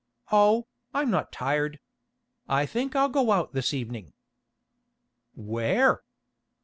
"Oh, I'm not tired. I think I'll go out this evening." "Where?"